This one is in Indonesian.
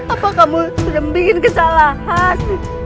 apa kamu sudah bikin kesalahan